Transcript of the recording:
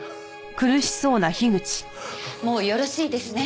もうよろしいですね？